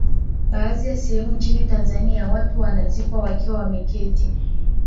Baadhi ya sehemu nchini Tanzania watu wanazikwa wakiwa wameketi